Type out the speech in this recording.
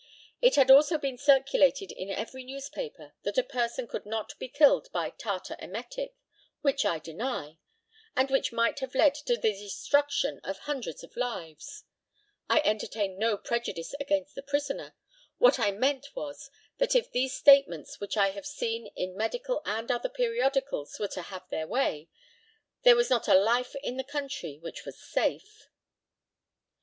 It had also been circulated in every newspaper that a person could not be killed by tartar emetic, which I deny, and which might have led to the destruction of hundreds of lives. I entertain no prejudice against the prisoner. What I meant was that if these statements which I have seen in medical and other periodicals were to have their way, there was not a life in the country which was safe.